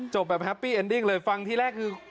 แบบแฮปปี้เอ็นดิ้งเลยฟังที่แรกคือ